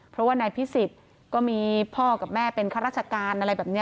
เพราะว่านายพิสิทธิ์ก็มีพ่อกับแม่เป็นข้าราชการอะไรแบบนี้